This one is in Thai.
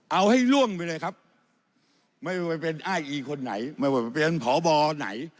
เอาให้ล่วงไปเลยครับไม่ว่าเป็นอ้ายอีคนไหนไม่ว่าเป็นพบไหน